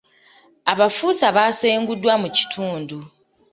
Abafuusa baasenguddwa mu kitundu.